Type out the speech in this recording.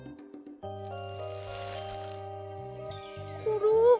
コロ？